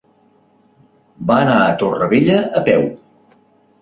Va anar a Torrevella a peu.